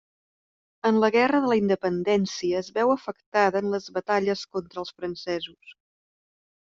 En la guerra de la Independència es veu afectada en les batalles contra els francesos.